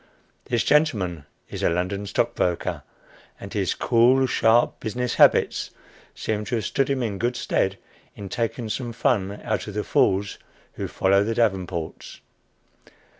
This gentleman is a London stockbroker, and his cool, sharp business habits seem to have stood him in good stead in taking some fun out of the fools who follow the Davenports.